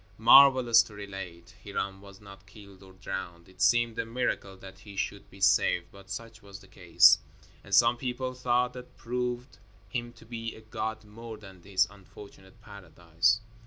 Marvelous to relate, Hiram was not killed or drowned. It seemed a miracle that he should be saved, but such was the case; and some people thought that proved him to be a god more than his unfortunate paradise.